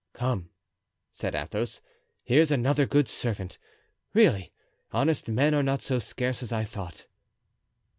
"Come," said Athos, "here's another good servant. Really, honest men are not so scarce as I thought."